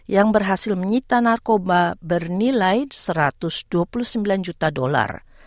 yang berhasil menyita narkoba bernilai satu ratus dua puluh sembilan juta dolar